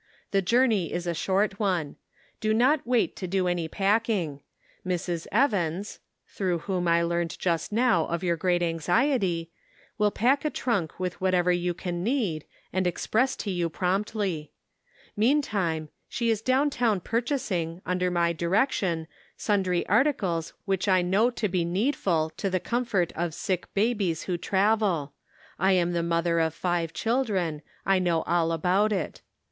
The journey is a short one. Do not wait to do any packing ; Mrs. Evans (through whom I learned just now of your great anxiety) will pack a trunk with whatever you can need, and express to you promptly. Meantime she is down town purchasing, under my direc tion, sundry articles which I know to be needful to the comfort of sick babies who travel ;' I am the mother of five children ; I know all about it.